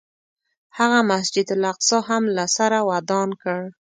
هغه مسجد الاقصی هم له سره ودان کړ.